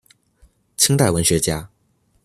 清代文学家。